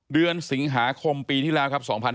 เดือนสิงหาคมปีที่แล้วครับ